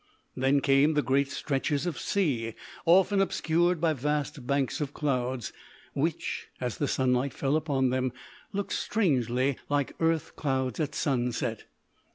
Then came the great stretches of sea, often obscured by vast banks of clouds, which, as the sunlight fell upon them, looked strangely like earth clouds at sunset.